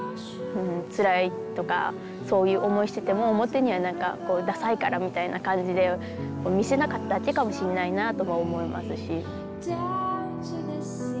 つらいとかそういう思いしてても表には何かダサいからみたいな感じで見せなかっただけかもしんないなとは思いますし。